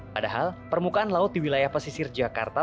padahal permukaan laut di wilayah pesisir jakarta